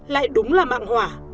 lại đúng là mạng hỏa